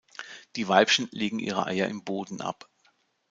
Die Weibchen legen ihre Eier im Boden ab.